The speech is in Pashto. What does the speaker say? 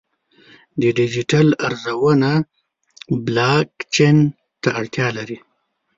د ډیجیټل ارزونه بلاکچین ته اړتیا لري.